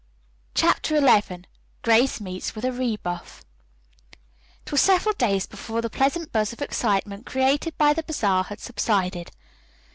CHAPTER XI GRACE MEETS WITH A REBUFF It was several days before the pleasant buzz of excitement created by the bazaar had subsided.